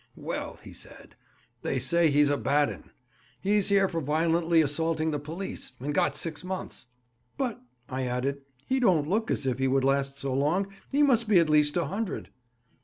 "Well," he said, "they say he's a bad 'un. He's here for violently assaulting the police, and got six months." "But," I added, "he don't look as if he would last so long; he must be at least a hundred!"